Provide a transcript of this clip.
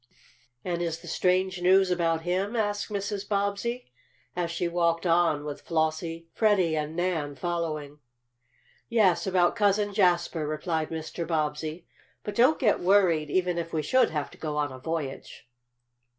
"And is the strange news about him?" asked Mrs. Bobbsey, as she walked on, with Flossie, Freddie and Nan following. "Yes, about Cousin Jasper," replied Mr. Bobbsey. "But don't get worried, even if we should have to go on a voyage."